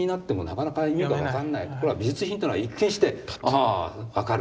ところが美術品っていうのは一見して「ああ分かる」。